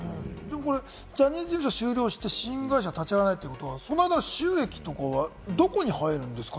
ジャニーズ事務所が終了して、新会社を立ち上げるということは、その間の収益はどこに入るんですか？